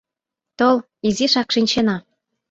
— Тол, изишак шинчена.